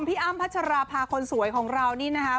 อ้ำพัชราภาคนสวยของเรานี่นะคะ